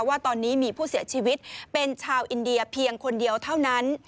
ว่าตอนนี้มีผู้เสียชีวิตเป็นชาวอินเดียเพียงคนเดียวเท่านั้น